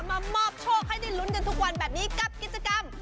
มามอบโชคให้ได้ลุ้นกันทุกวันแบบนี้กับกิจกรรม